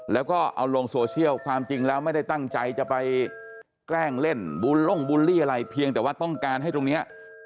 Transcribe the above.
แล้วก็เอาลงโซเชียลความจริงแล้วไม่ได้ตั้งใจจะไปแกล้งเล่นบูล่งบูลลี่อะไรเพียงแต่ว่าต้องการให้ตรงนี้